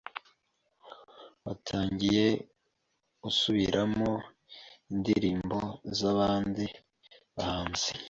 Watangiye usubiramo indirimbo z’abandi bahanzi